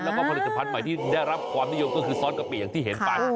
แล้วก็ผลิตภัณฑ์ใหม่ที่ได้รับความนิยมก็คือซอสกะปิอย่างที่เห็นไป